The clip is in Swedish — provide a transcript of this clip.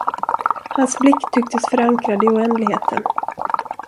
Hans blick tycktes förankrad i oändligheten.